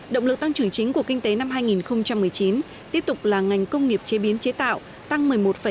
động lực tăng trưởng chính của kinh tế năm hai nghìn một mươi chín tiếp tục là ngành công nghiệp chế biến chế tạo tăng một mươi một ba mươi